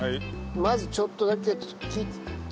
まずちょっとだけ切って。